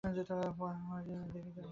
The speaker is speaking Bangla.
পওহারী বাবার বাড়ী দেখিয়া আসিয়াছি।